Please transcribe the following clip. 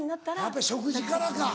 やっぱり食事からか。